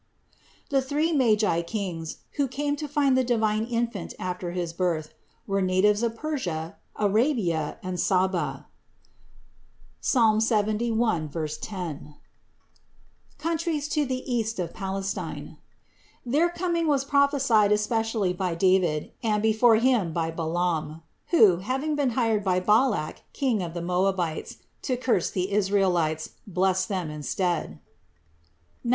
552. The three Magi Kings, who came to find the divine Infant after his birth, were natives of Persia, Arabia and Sabba (Ps. 71, 10), countries to the east of Palestine. Their coming was prophesied especially by David, and before him, by Balaam, who, having been hired by Balaac, king of the Moabites, to curse the Israel ites, blessed them instead (Numb.